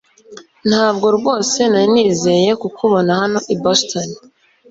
Ntabwo rwose nari niteze kukubona hano i Boston